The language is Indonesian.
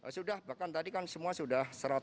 sudah bahkan tadi kan semua sudah